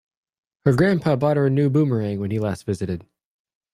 Her grandpa bought her a new boomerang when he last visited.